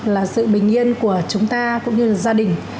là sự bình yên của chúng ta cũng như là gia đình